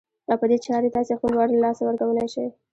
او په دې چارې تاسې خپل باور له لاسه ورکولای شئ.